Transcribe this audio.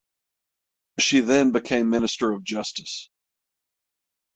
She then became Minister of Justice.